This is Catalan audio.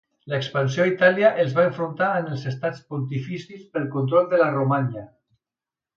L'expansió a Itàlia els va enfrontar amb els estats pontificis pel control de la Romanya.